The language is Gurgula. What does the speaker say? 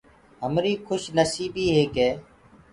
همريٚ کُش نسيٚبيٚ هي ڪي